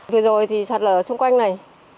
vừa rồi thì sạt là ở xung quanh này